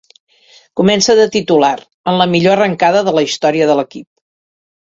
Comença de titular, en la millor arrancada de la història de l'equip.